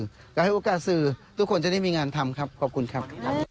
ก็ให้โอกาสสื่อทุกคนจะได้มีงานทำครับขอบคุณครับ